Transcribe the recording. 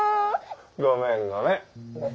ごめんごめん。